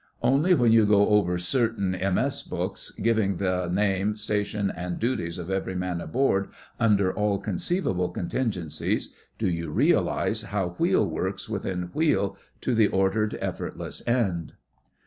Only when you go over certain MS. books, giving the name, station, and duties of every man aboard under all conceivable contingencies, do you realise how wheel works within wheel to the ordered, effortless end.